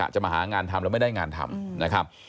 จะมาหางานทำแล้วไม่ได้งานทำ